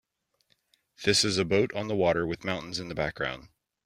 This is a boat on the water with mountains in the background.